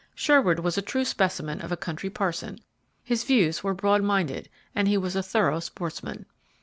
Sherwood was a true specimen of a country parson; his views were broad minded, and he was a thorough sportsman.